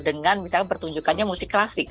dengan misalnya pertunjukannya musik klasik